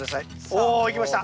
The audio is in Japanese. おいきました。